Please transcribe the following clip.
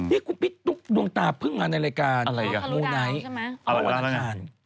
นี่พี่ตุ๊กดวงตาพึ่งงานในรายการโมงไหน